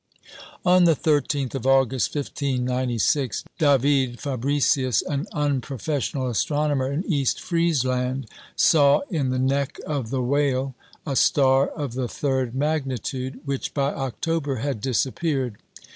On the 13th of August, 1596, David Fabricius, an unprofessional astronomer in East Friesland, saw in the neck of the Whale a star of the third magnitude, which by October had disappeared.